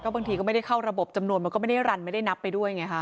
บางทีก็ไม่ได้เข้าระบบจำนวนมันก็ไม่ได้รันไม่ได้นับไปด้วยไงฮะ